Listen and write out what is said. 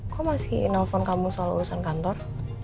kok masih nelfon kamu soal urusan kantor